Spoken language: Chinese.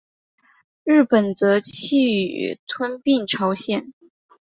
日本则觊觎吞并朝鲜。